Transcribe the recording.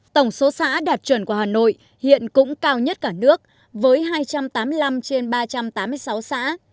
tổng số xã đạt chuẩn của hà nội hiện cũng cao nhất cả nước với hai trăm tám mươi năm trên ba trăm tám mươi sáu xã